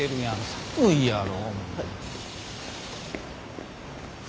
寒いやろ。